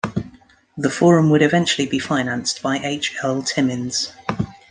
The Forum would eventually be financed by H. L. Timmins.